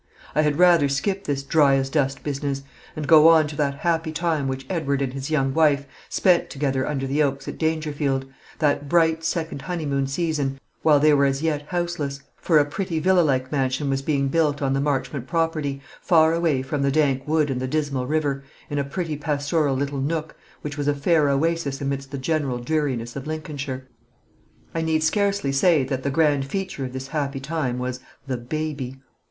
I had rather skip this dry as dust business, and go on to that happy time which Edward and his young wife spent together under the oaks at Dangerfield that bright second honeymoon season, while they were as yet houseless; for a pretty villa like mansion was being built on the Marchmont property, far away from the dank wood and the dismal river, in a pretty pastoral little nook, which was a fair oasis amidst the general dreariness of Lincolnshire. I need scarcely say that the grand feature of this happy time was THE BABY.